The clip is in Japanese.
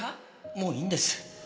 もういいんです。